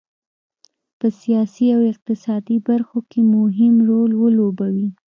په سیاسي او اقتصادي برخو کې مهم رول ولوبوي.